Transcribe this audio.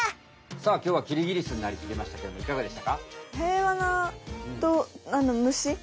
さあきょうはキリギリスになりきりましたけどもいかがでしたか？